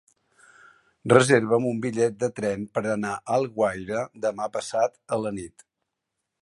Reserva'm un bitllet de tren per anar a Alguaire demà passat a la nit.